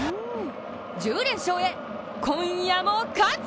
１０連勝へ、今夜も勝つ！